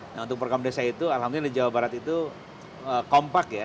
nah untuk program desa itu alhamdulillah di jawa barat itu kompak ya